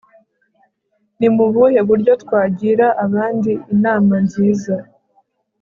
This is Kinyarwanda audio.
ni mu buhe buryo twagira abandi inama nziza